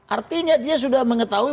artinya dia sudah mengetahui